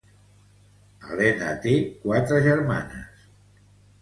Helena té quatre germanes.